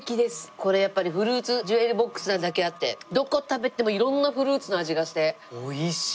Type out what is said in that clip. これやっぱりフルーツジュエリーボックスなだけあってどこ食べても色んなフルーツの味がして美味しい。